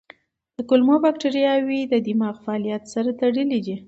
کولمو بکتریاوې د دماغ فعالیت سره تړلي دي.